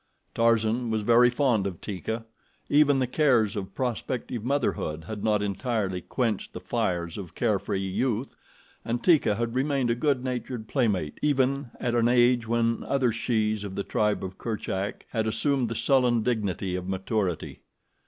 Tarzan was very fond of Teeka. Even the cares of prospective motherhood had not entirely quenched the fires of carefree youth, and Teeka had remained a good natured playmate even at an age when other shes of the tribe of Kerchak had assumed the sullen dignity of maturity.